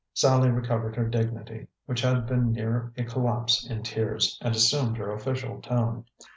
Sallie recovered her dignity, which had been near a collapse in tears, and assumed her official tone.